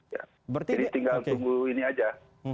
jadi tinggal tunggu ini aja